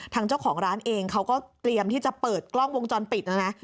ทางเจ้าของร้านเองเขาก็เตรียมที่จะเปิดกล้องวงจรปิดนะนะ